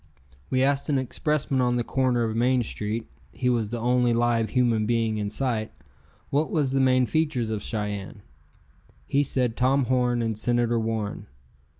We asked an expressman on the corner of Main Street he was the only live human being in sight what was the main features of Cheyenne. He said Tom Horn and Senator Warren.